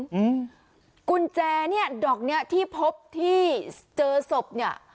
อืมกุญแจเนี้ยดอกเนี้ยที่พบที่เจอศพเนี้ย